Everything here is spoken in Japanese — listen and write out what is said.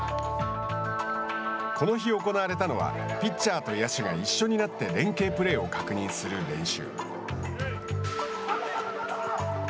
この日行われたのはピッチャーと野手が一緒になって連係プレーを確認する練習。